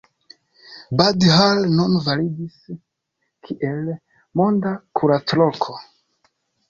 Bad Hall nun validis kiel „monda kuracloko“.